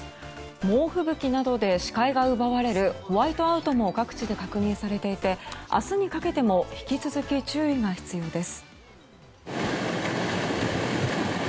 猛吹雪などで視界が奪われるホワイトアウトも各地で確認されていて明日にかけても引き続き注意が必要です。